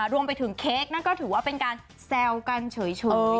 รวมไปถึงเค้กนั่นก็ถือว่าเป็นการแซวกันเฉย